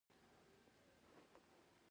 افغانستان کې لوگر د هنر په اثار کې منعکس کېږي.